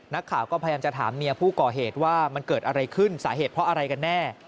นักข่าวก็พยายามจะถามเมียผู้ก่อเหตุว่ามันเกิดอะไรขึ้นสาเหตุเพราะอะไรกันแน่